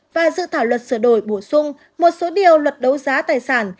và dự thảo luật sửa đổi bổ sung một số điều luật đấu giá tài sản